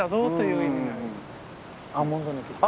アーモンドの木です。